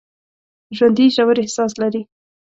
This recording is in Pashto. ژوندي ژور احساس لري